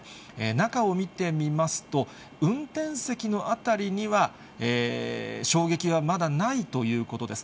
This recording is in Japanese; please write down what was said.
中を見てみますと、運転席の辺りには、衝撃はまだないということです。